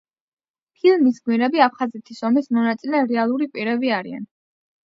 ფილმის გმირები აფხაზეთის ომის მონაწილე რეალური პირები არიან.